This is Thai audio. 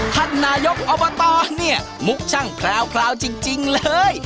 ท่านนายกอบตเนี่ยมุกช่างแพรวจริงเลย